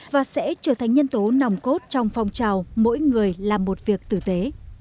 và sẽ trở thành nhân tố nòng cốt trong phong trào mỗi người làm một việc tử tế